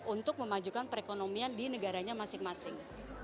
untuk memajukan perekonomian di negaranya masing masing